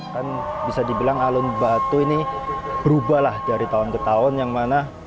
kan bisa dibilang alun batu ini berubah lah dari tahun ke tahun yang mana